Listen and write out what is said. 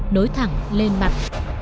nối thẳng lên mặt